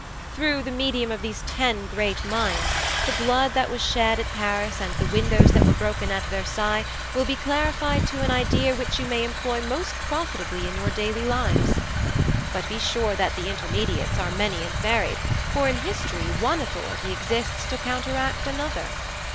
Through the medium of these ten great minds, the blood that was shed at Paris and the windows that were broken at Versailles will be clarified to an idea which you may employ most profitably in your daily lives. But be sure that the intermediates are many and varied, for in history one authority exists to counteract another.